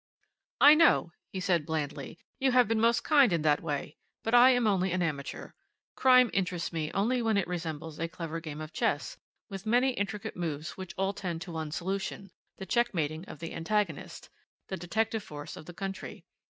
"I know," he said blandly, "you have been most kind in that way, but I am only an amateur. Crime interests me only when it resembles a clever game of chess, with many intricate moves which all tend to one solution, the checkmating of the antagonist the detective force of the country.